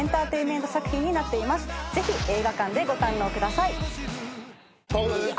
ぜひ映画館でご堪能ください。